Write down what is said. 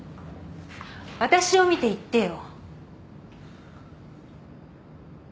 私を見て言ってよ。